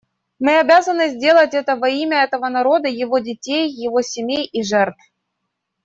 Мы обязаны сделать это во имя этого народа, его детей, его семей и жертв.